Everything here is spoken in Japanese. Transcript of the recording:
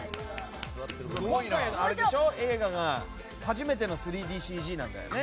今回は映画が初めての３ＤＣＧなんだよね。